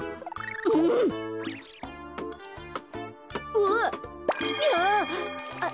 うわっ！